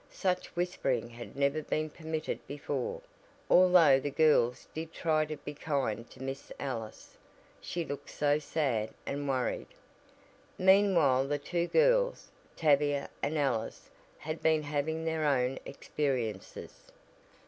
Such whispering had never been permitted before, although the girls did try to be kind to Miss Ellis, she looked so sad and worried. Meanwhile the two girls, Tavia and Alice, had been having their own experiences.